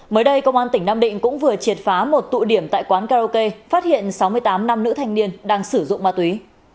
mới đây công an tỉnh nam định cũng vừa triệt phá một tụ điểm tại quán karaoke phát hiện sáu mươi tám nam nữ thanh niên đang sử dụng ma túy